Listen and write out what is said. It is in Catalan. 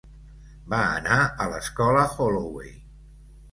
Va anar a l'Escola Holloway.